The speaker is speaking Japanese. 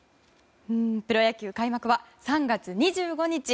プロ野球開幕は３月２５日。